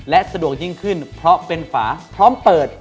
และสะดวกยิ่งขึ้นเพราะเป็นฝาพร้อมเปิด